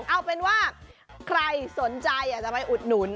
เอาเป็นว่าใครสนใจอยากจะไปอุดหนุน